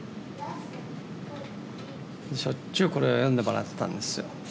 しょっちゅうこれを読んでもらってたんですよ。